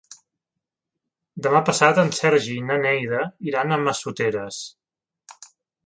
Demà passat en Sergi i na Neida iran a Massoteres.